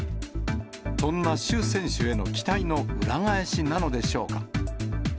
そんな朱選手への期待の裏返しなのでしょうか。